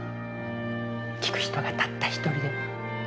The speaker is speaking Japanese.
聴く人がたった一人でも。